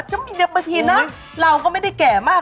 จ้ะมีเด็กประทีนะเราก็ไม่ได้แก่มาก